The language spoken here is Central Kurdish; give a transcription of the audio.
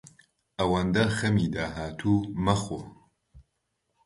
ئەوەندە خەمی داهاتوو مەخۆ.